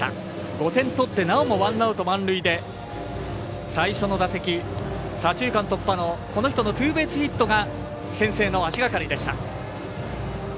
５点取って、なおもワンアウト、満塁で最初の打席、左中間突破のこの人のツーベースヒットが先制の足がかりでした。